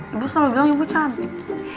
ibu selalu bilang ibu cantik